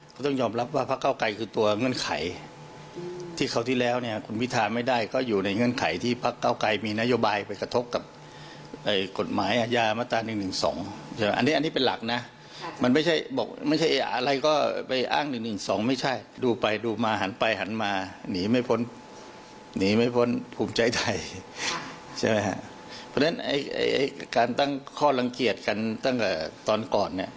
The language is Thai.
ต้องยอมรับว่าภักดิ์เก้าไกรคือตัวเงื่อนไขที่เขาที่แล้วเนี่ยคุณวิทยาไม่ได้ก็อยู่ในเงื่อนไขที่ภักดิ์เก้าไกรมีนโยบายไปกระทบกับไอ้กฎหมายอาญามตา๑๑๒อันนี้เป็นหลักนะมันไม่ใช่บอกไม่ใช่อะไรก็ไปอ้าง๑๑๒ไม่ใช่ดูไปดูมาหันไปหันมาหนีไม่พ้นหนีไม่พ้นภูมิใจใดใช่ไหมครับเพราะฉะนั้นไอ้การตั้งข้อ